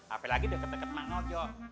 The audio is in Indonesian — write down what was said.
apalagi deket deket mang ujo